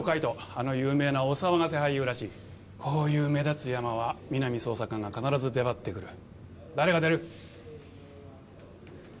あの有名なお騒がせ俳優らしいこういう目立つヤマは皆実捜査官が必ず出張ってくる誰が出る？